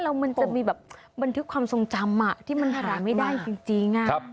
แล้วมันจะมีแบบบันทึกความทรงจำที่มันหาไม่ได้จริง